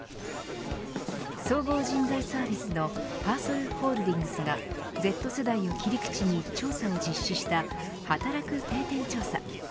総合人材サービスのパーソルホールディングスがＺ世代を切り口に調査を実施した働く定点調査。